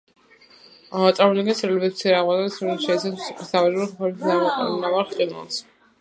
წარმოადგენს რელიეფის მცირე ამაღლებას, რომელიც შეიცავს მცირედ ამობურცული ფორმის ნამარხ ყინულს.